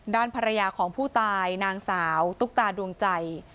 ด้านภรรยาของผู้ตายนางสาวตุ๊กตาดวงใจ